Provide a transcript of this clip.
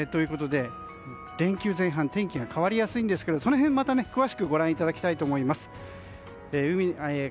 連休前半天気が変わりやすいんですけどその辺また詳しくご覧いただきたいと思います。